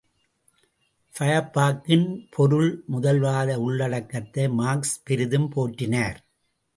ஃபயர்பாக்கின் பொருள்முதல்வாத உள்ளடக்கத்தை மார்க்ஸ் பெரிதும் போற்றினார்.